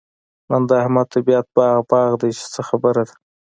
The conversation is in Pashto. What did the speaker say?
نن د احمد طبيعت باغ باغ دی؛ چې څه خبره ده؟